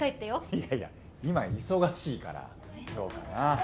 いやいや今忙しいからどうかな